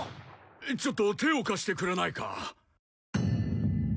ちょっと手を貸してくれないか？